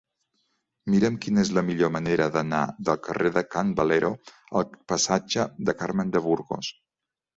Mira'm quina és la millor manera d'anar del carrer de Can Valero al passatge de Carmen de Burgos.